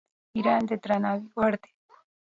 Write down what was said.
ایران د درناوي وړ دی.